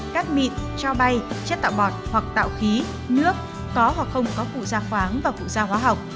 cát mịn cho bay chất tạo bọt hoặc tạo khí nước có hoặc không có cụ gia khoáng và cụ gia hóa học